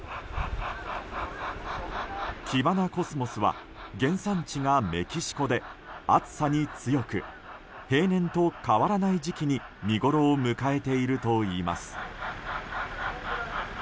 キバナコスモスは原産地がメキシコで暑さに強く平年と変わらない時期に見ごろを迎えているといいます。